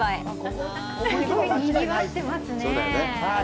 すごいにぎわってますねぇ。